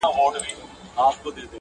نو دا تمایل درکي سته چي